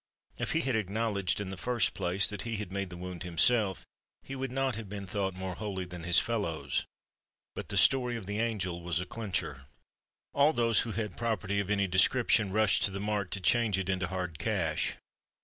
If he had acknowledged in the first place that he had made the wound himself, he would not have been thought more holy than his fellows; but the story of the angel was a clincher. All those who had property of any description rushed to the mart to change it into hard cash.